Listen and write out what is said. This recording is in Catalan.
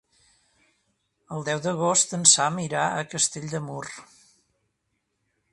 El deu d'agost en Sam irà a Castell de Mur.